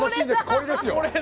これです！